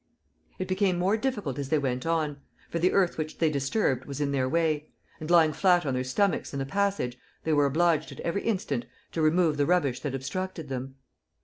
It became more difficult as they went on, for the earth which they disturbed was in their way; and, lying flat on their stomachs in the passage, they were obliged at every instant to remove the rubbish that obstructed them.